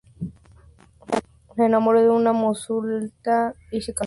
Se enamoró de una mulata y se casó.